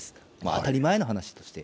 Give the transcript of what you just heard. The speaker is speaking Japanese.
当たり前の話として。